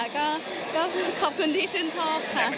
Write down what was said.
ก็ขอบคุณที่ชื่นชอบค่ะ